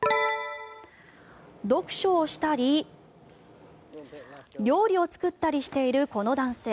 読書をしたり料理を作ったりしているこの男性。